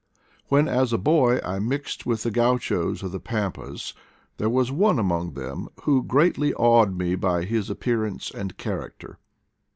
When, as a boy, I mixed with the ganchos of the pampas, there was one among them who greatly awed me by his appearance and character.